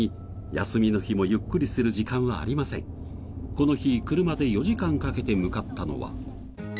この日車で４時間かけて向かったのは。